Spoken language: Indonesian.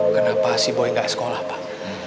kenapa si boy gak sekolah pak